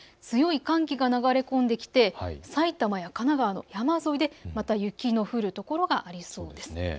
強い寒気が流れ込んできて埼玉や神奈川の山沿いでまた雪の降る所がありそうです。